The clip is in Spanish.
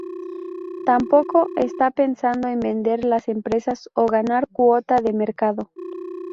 Tampoco está pensado en vender a las empresas o ganar cuota de mercado.